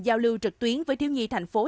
giao lưu trực tuyến với thiếu nhi thành phố